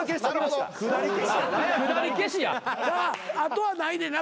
あとはないねんな？